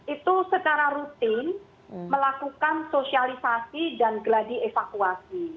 itu secara rutin melakukan sosialisasi dan geladi evakuasi